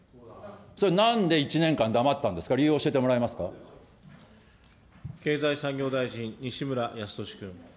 それなんで１年間黙ってたんです経済産業大臣、西村康稔君。